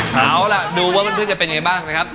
เอาล่ะดูว่าเพื่อนจะเป็นยังไงบ้างนะครับ